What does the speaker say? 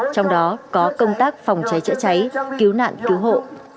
trong đó có công tác phòng cháy chữa cháy cứu nạn cứu hộ